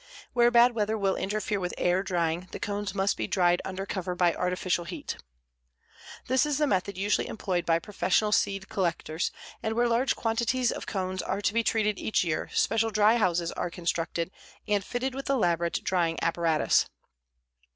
Where bad weather will interfere with air drying, the cones must be dried undercover by artificial heat. This is the method usually employed by professional seed collectors, and where large quantities of cones are to be treated each year special dry houses are constructed and fitted with elaborate drying apparatus.